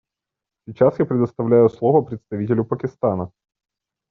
Сейчас я предоставляю слово представителю Пакистана.